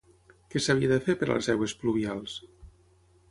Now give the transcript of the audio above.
Què s'havia de fer per a les aigües pluvials?